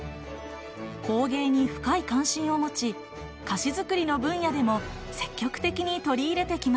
工芸に深い関心を持ち菓子作りの分野でも積極的に取り入れてきました。